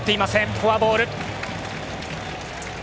フォアボール！